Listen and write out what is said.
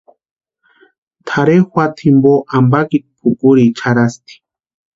Tʼarhe juata jimpo ampakiti pʼukuriecha jarhasti.